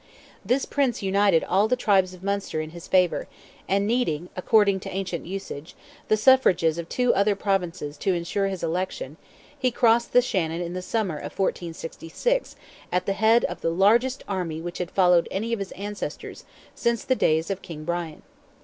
This Prince united all the tribes of Munster in his favour, and needing, according to ancient usage, the suffrages of two other Provinces to ensure his election, he crossed the Shannon in the summer of 1466 at the head of the largest army which had followed any of his ancestors since the days of King Brian.